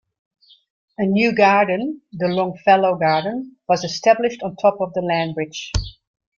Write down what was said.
A new garden, the Longfellow Garden, was established on top of the land bridge.